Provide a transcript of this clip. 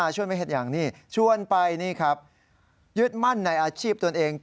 ช่วยไม่เห็ดอย่างนี้ชวนไปนี่ครับยึดมั่นในอาชีพตนเอง